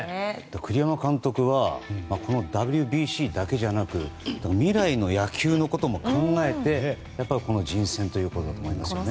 栗山監督はこのＷＢＣだけじゃなく未来の野球のことも考えての人選ということだと思いますね。